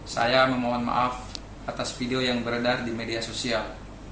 saya memohon maaf atas video yang beredar di media sosial